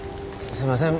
すいません。